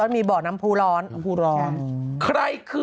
นี่เป็นพท่าประจำปีศรุ